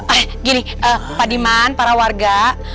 ah gini pak diman para warga